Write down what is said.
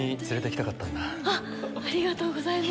ありがとうございます。